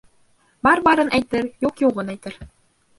Бар барын әйтер, юҡ юғын әйтер.